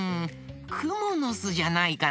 くものすじゃないかな？